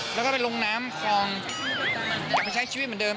แล้วก็ไปลงน้ำคลองกลับมาใช้ชีวิตเหมือนเดิม